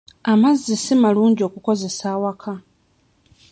Amazzi si malungi kukozesa waka.